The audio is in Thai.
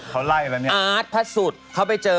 เขาไล่อะไรนี่อาร์ตพระสุธิ์เขาไปเจอ